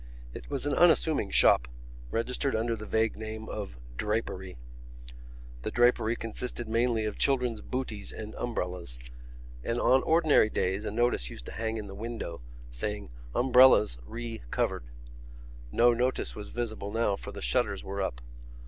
It was an unassuming shop, registered under the vague name of Drapery. The drapery consisted mainly of children's bootees and umbrellas; and on ordinary days a notice used to hang in the window, saying: Umbrellas Re covered. No notice was visible now for the shutters were up.